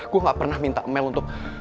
gue gak pernah minta mel untuk